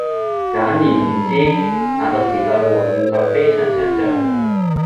簡而言之，那個時代和現在非常相像